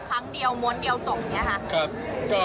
ครั้งเดียวม้วนเดียวจบอย่างนี้ค่ะ